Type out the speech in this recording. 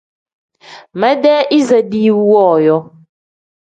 Medee iza diiwu wooyo.